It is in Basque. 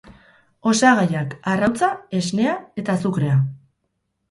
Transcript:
Osagaiak: Arrautza, esnea eta azukrea.